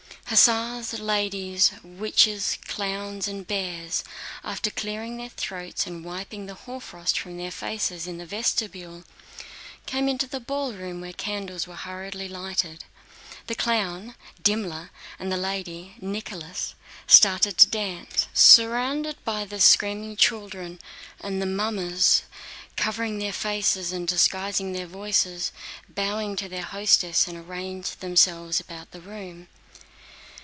Hussars, ladies, witches, clowns, and bears, after clearing their throats and wiping the hoarfrost from their faces in the vestibule, came into the ballroom where candles were hurriedly lighted. The clown—Dimmler—and the lady—Nicholas—started a dance. Surrounded by the screaming children the mummers, covering their faces and disguising their voices, bowed to their hostess and arranged themselves about the room.